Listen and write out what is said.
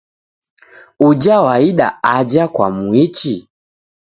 Uja waida aja kwamuichi?